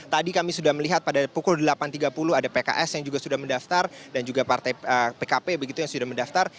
tadi kami sudah melihat pada pukul delapan tiga puluh ada pks yang juga sudah mendaftar dan juga partai pkp begitu yang sudah mendaftar